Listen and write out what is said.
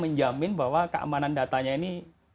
menjamin bahwa keamanan datanya ini